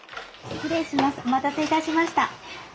お待たせいたしました。